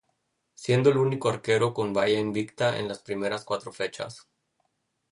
Siendo el único arquero con valla invicta en las primeras cuatro fechas.